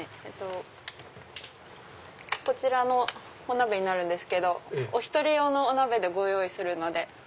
えっとこちらのお鍋になるんですけどお１人用のお鍋でご用意するので。